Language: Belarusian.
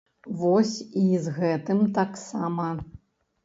Вось і з гэтым таксама.